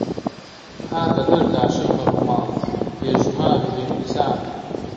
هاتە دەر لاشەی مەڕوماڵ، بێ ژومار و بێ حیساب